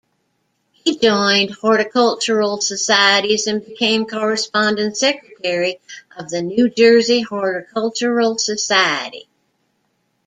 He joined horticultural societies, and became corresponding secretary of the New Jersey Horticultural Society.